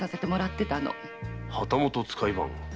旗本・使い番。